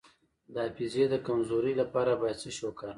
د حافظې د کمزوری لپاره باید څه شی وکاروم؟